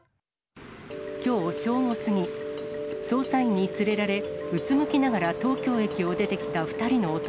きょう正午過ぎ、捜査員に連れられ、うつむきながら東京駅を出てきた２人の男。